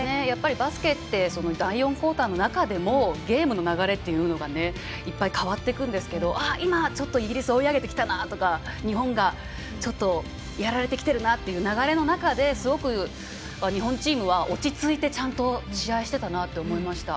バスケって第４クオーターの中でもゲームの流れというのがいっぱい変わっていくんですが今、ちょっとイギリスが追い上げてきたなとか日本がやられてきてるなという流れの中ですごく日本チームは落ち着いてちゃんと試合していたなと思いました。